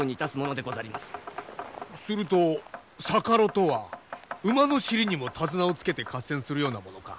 すると逆艪とは馬の尻にも手綱をつけて合戦するようなものか。